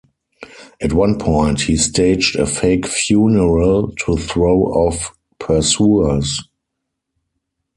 At one point, he staged a fake funeral to throw off pursuers.